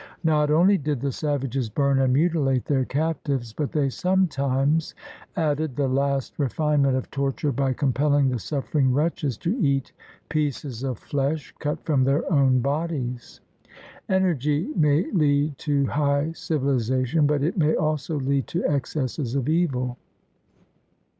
Not only did the savages burn and mutilate their captives, but they sometimes added the last re finement of torture by compelling the suflFering wretches to eat pieces of flesh cut from their own bodies. Energy may lead to high civilization, but it may also lead to excesses of evil.